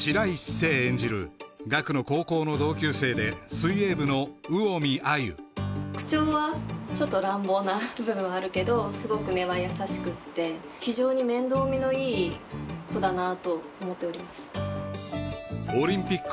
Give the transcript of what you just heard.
聖演じる岳の高校の同級生で水泳部の魚見亜由口調はちょっと乱暴な部分はあるけどすごく根は優しくって非常に面倒見のいい子だなと思っております